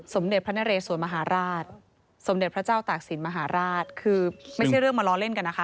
สมเด็จพระนเรสวนมหาราชสมเด็จพระเจ้าตากศิลปมหาราชคือไม่ใช่เรื่องมาล้อเล่นกันนะคะ